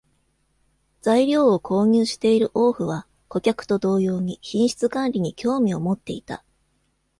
材料を購入している王府は、顧客と同様に品質管理に興味を持っていた。